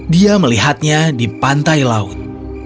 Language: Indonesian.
dia melihatnya di pantai laut